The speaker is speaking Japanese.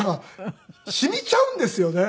しみちゃうんですよね。